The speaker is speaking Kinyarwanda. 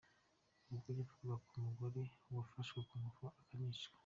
Ubwo yavugaga k’umugore wafashwe ku ngufu akanicwa….